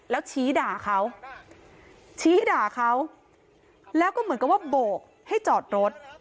แล้วชี้ด่าเขาชี้ให้ด่าเขาแล้วก็เหมือนกับว่าโบกให้จอดรถ